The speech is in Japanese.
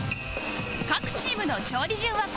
各チームの調理順はこちら